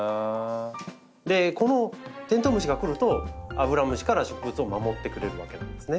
このテントウムシが来るとアブラムシから植物を守ってくれるわけなんですね。